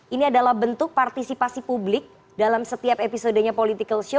ini adalah bentuk partisipasi publik dalam setiap episodenya political show